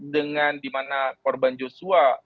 dengan dimana korban joshua